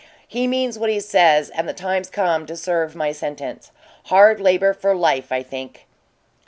He means what he says, and the time's come to serve my sentence. Hard labor for life, I think."